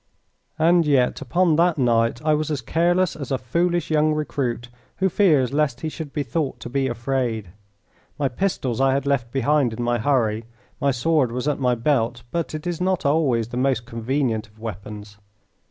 And yet upon that night I was as careless as a foolish young recruit who fears lest he should be thought to be afraid. My pistols I had left behind in my hurry. My sword was at my belt, but it is not always the most convenient of weapons.